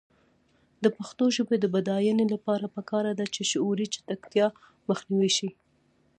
د پښتو ژبې د بډاینې لپاره پکار ده چې شعوري چټکتیا مخنیوی شي.